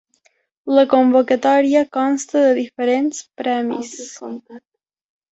La convocatòria consta de diferents premis.